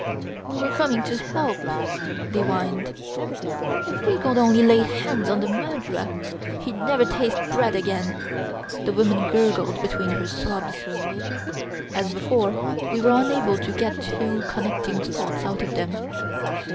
"We were coming to help!" they whined. "If we could only lay hands on the murderer, he'd never taste bread again!" the woman gurgled between her sobs. As before we were unable to get two connecting thoughts out of them.